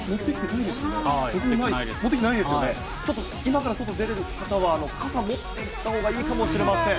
今から外出る方は、傘持っていたほうがいいかもしれません。